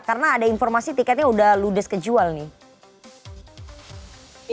karena ada informasi tiketnya sudah ludes kejual nih